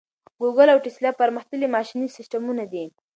ګوګل او ټیسلا پرمختللي ماشیني سیسټمونه دي.